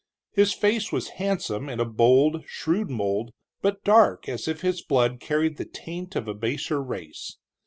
His face was handsome in a bold, shrewd mold, but dark as if his blood carried the taint of a baser race.